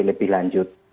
jadi lebih lanjut